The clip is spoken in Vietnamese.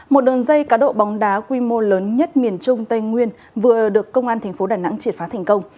một đường dây cá độ bóng đá quy mô lớn nhất miền trung tây nguyên vừa được công an tp đà nẵng triệt phá thành công